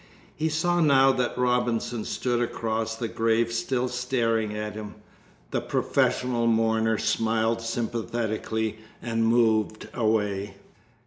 He saw now that Robinson stood across the grave still staring at him. The professional mourner smiled sympathetically and moved away.